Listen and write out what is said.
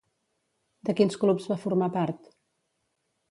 De quins clubs va formar part?